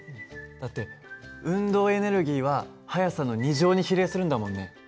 だって運動エネルギーは速さの２乗に比例するんだもんね。